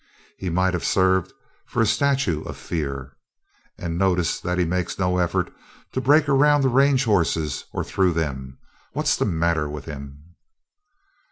He might have served for a statue of fear. "And notice that he makes no effort to break around the range horses or through them. What's the matter with him?"